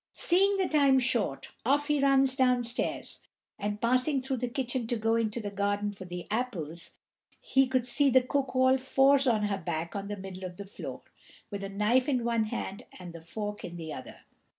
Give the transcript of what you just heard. Seeing the time short, off he runs downstairs, and passing through the kitchen to go into the garden for the apples, he could see the cook all fours on her back on the middle of the floor, with the knife in one hand and the fork in the other.